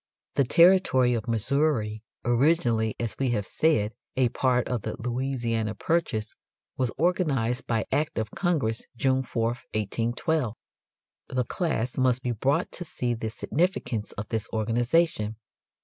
The territory of Missouri, originally as we have said a part of the Louisiana Purchase, was organized by act of Congress June 4, 1812. The class must be brought to see the significance of this organization.